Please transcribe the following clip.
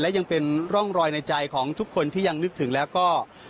และยังเป็นร่องรอยในใจของทุกคนที่ยังนึกถึงแล้วก็